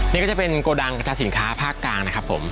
นี่ก็จะเป็นโกดังกระทาสินค้าภาคกลางนะครับผม